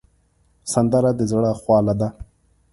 سندره د زړه خواله ده